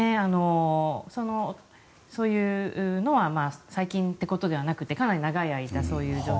そういうのは最近ってことではなくてかなり長い間、そういう状況。